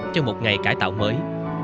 cho một ngày cải tạo mới